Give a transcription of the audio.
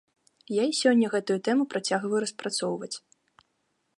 Я і сёння гэтую тэму працягваю распрацоўваць.